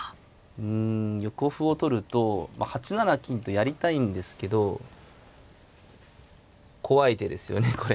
うん横歩を取ると８七金とやりたいんですけど怖い手ですよねこれ。